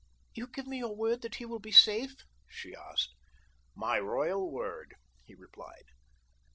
"You give me your word that he will be safe?" she asked. "My royal word," he replied.